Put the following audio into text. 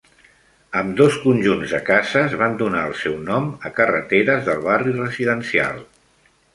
Ambdós conjunts de cases van donar el seu nom a carreteres del barri residencial.